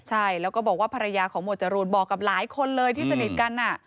ใช่แล้วก็บอกว่าภรรยาของหมวดจรูนบอกกับหลายคนเลยที่สนิทกัน